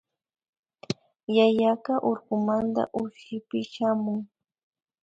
Yayaka urkumanta ushupi shamun